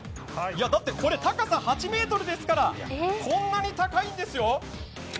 だってこれ高さ８ｍですからこんなに高いんですよ？